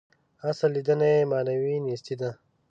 اصل لېدنه یې معنوي نیستي ده.